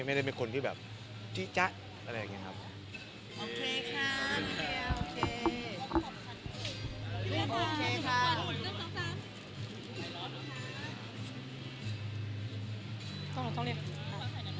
ไม่ได้มีคนที่จ๊ะอะไรอย่างนี้ครับ